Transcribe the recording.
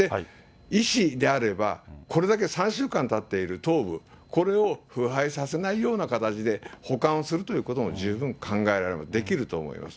医師であれば、これだけ３週間たっている頭部、これを腐敗させないような形で、保管するということも十分考えられる、できると思います。